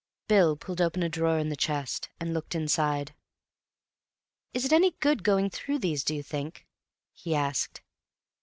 Bill pulled open a drawer in the chest, and looked inside. "Is it any good going through these, do you think?" he asked.